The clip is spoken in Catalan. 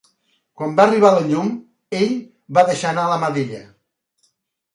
Quan van arribar a la llum, ell va deixar anar la mà d'ella.